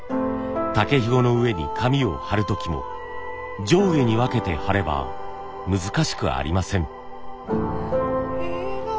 竹ひごの上に紙を貼る時も上下に分けて貼れば難しくありません。